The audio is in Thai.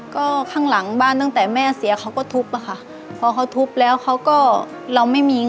ก็ข้างหลังบ้านตั้งแต่แม่เสียเขาก็ทุบอะค่ะ